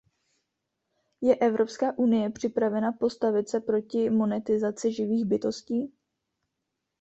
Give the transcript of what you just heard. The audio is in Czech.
Je Evropská unie připravena postavit se proti monetizaci živých bytostí?